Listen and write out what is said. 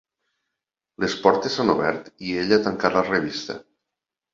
Les portes s'han obert i ell ha tancat la revista.